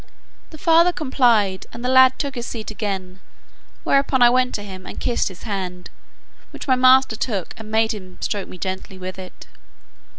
The father complied, and the lad took his seat again, whereupon I went to him, and kissed his hand, which my master took, and made him stroke me gently with it.